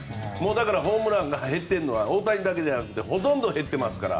だからホームランが減っているのは大谷だけじゃなくてほとんど減っていますから。